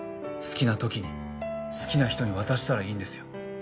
好きな時に好きな人に渡したらいいんですよ。